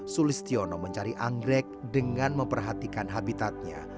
sulistiono mencari anggrek dengan memperhatikan habitatnya